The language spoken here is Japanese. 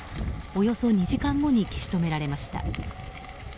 およそ２時間後に消し止められました。